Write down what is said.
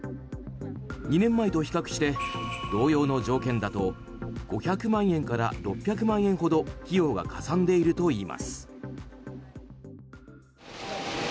２年前と比較して同様の条件だと５００万円から６００万円ほど費用がかさんでいるといいます。